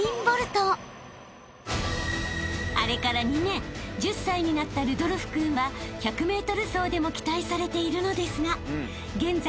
［あれから２年１０歳になったルドルフ君は１００ｍ走でも期待されているのですが現在それ以上に有望視されているのが］